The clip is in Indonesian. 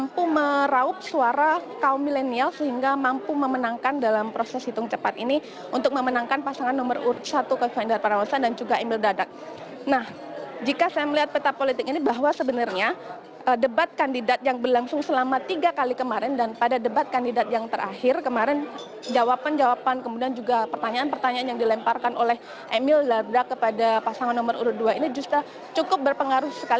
pilih pilihan bagian begitulah ini dan ini tampaknya